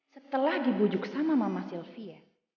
setelah dibujuk sama mama sylvia